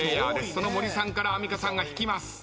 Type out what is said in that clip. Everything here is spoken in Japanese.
その森さんからアンミカさんが引きます。